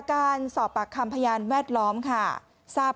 แล้วก็ไปโดนใช่ไหมครับ